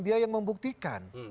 dia yang membuktikan